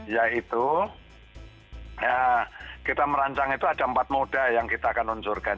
yaitu kita merancang itu ada empat moda yang kita akan luncurkan